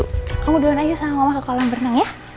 kamu doang aja sama mama ke kolam berenang ya